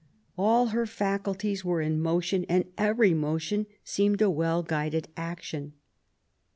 All her faculties were in motion, and every motion seemed a well guided action.